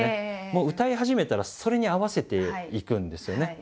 もう歌い始めたらそれに合わせていくんですよね。